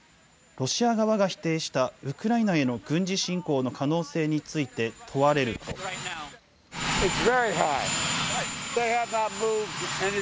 ロシア側が否定したウクライナへの軍事侵攻の可能性について問われると。